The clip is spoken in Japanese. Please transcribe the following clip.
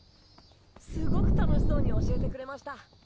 すごく楽しそうに教えてくれました。